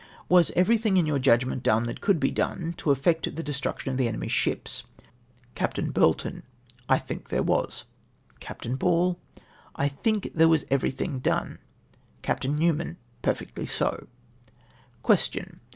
—" Was everything in yonr judgment done that could be done, to effect the de struction of the enemy's ships ?" Capt. Burlton. —" I think there was." Capt. Ball. —" I tJtlnk there was everything done." Capt. Net^tvian. —" Perfectly so." Question.